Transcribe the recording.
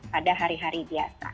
pada hari hari biasa